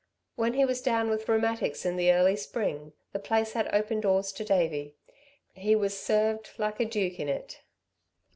When he was down with rheumatics in the early spring, the place had open doors to Davey. He was served like a duke in it.